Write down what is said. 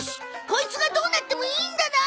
コイツがどうなってもいいんだな？